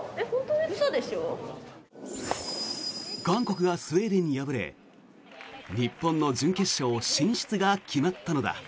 韓国がスウェーデンに敗れ日本の準決勝進出が決まったのだ。